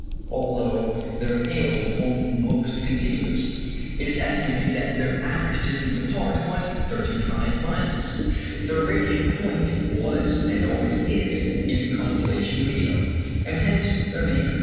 Although their hail was almost continuous, it is estimated that their average distance apart was thirty five miles! Their radiant point was and always is in the constellation Leo, and hence their name Leonids. [Illustration: FIG. 105.